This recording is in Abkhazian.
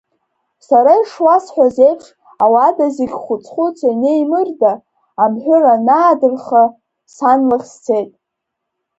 Сара, ишуасҳәаз еиԥш, ауада зегьы хәыц-хәыц ианеимырда, амҳәыр анаадырха, сан лахь сцеит.